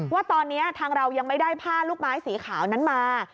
ว่าตอนนี้ทางเรายังไม่ได้ผ้าลูกไม้สีขาวนั้นมา